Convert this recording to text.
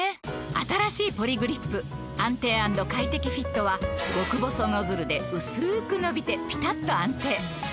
新しいポリグリップ「安定＆快適フィット」は極細ノズルでうすく伸びてピタッと安定！